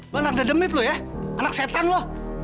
lu anak dendamit lu ya anak setan lu